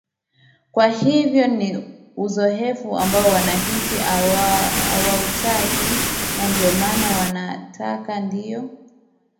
kwa hivyo ni uzoefu ambao wananchi hawautaki na ndio maana wanataka ndio